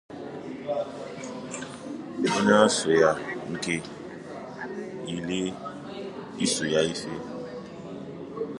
onye Asoya nke Ile Isoya Ife